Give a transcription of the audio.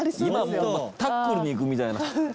今タックルに行くみたいな。